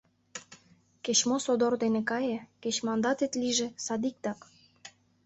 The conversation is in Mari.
Кеч-мо содор дене кае, кеч мандатет лийже — садиктак.